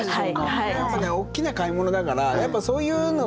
やっぱねおっきな買い物だからやっぱりそういうのにね